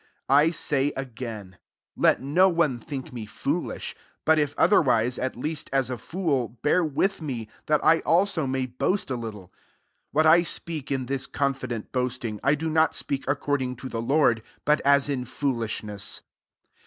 16 I say again; Let no one think 2 CORINTHIANS XII. 303 mc foolish : but if otherwise, at least as a fool, bear with me, that I also may boast a little. 17 What I speak, in this confi dent boasting, I do not speak according to the Lord, but as tn foolishness.